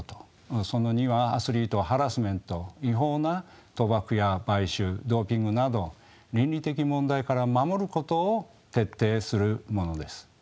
その２はアスリートハラスメント違法な賭博や買収ドーピングなど倫理的問題から守ることを徹底するものです。